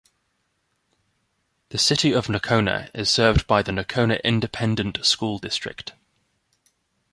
The City of Nocona is served by the Nocona Independent School District.